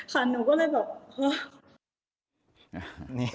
ค่ะหนูก็เลยแบบเฮ้อ